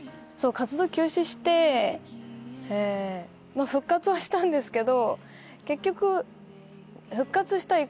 活動休止して復活はしたんですけど結局。